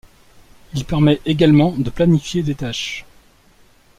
Il permet également de planifier des tâches.